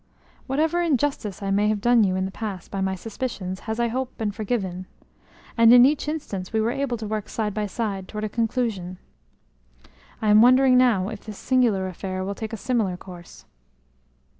Whatever injustice I may have done you in the past by my suspicions has, I hope, been forgiven; and in each instance we were able to work side by side toward a conclusion. I am wondering now if this singular affair will take a similar course."